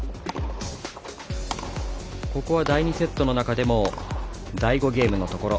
ここは第２セットの中でも第５ゲームのところ。